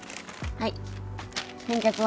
はい。